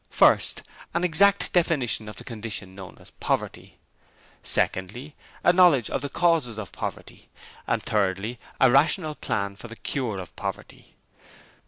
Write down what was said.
First; an exact definition of the condition known as Poverty. Secondly; a knowledge of the causes of Poverty; and thirdly, a rational plan for the cure of Poverty.